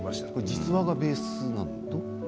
実話ベースなんですか？